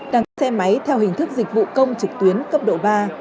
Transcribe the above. đăng ký xe máy theo hình thức dịch vụ công trực tuyến cấp độ ba